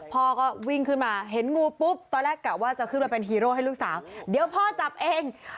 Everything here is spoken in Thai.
พ่อก็วิ่งขึ้นมาเห็นงูปุ๊บตอนแรกกะว่าจะขึ้นมาเป็นฮีโร่ให้ลูกสาวเดี๋ยวพ่อจับเอง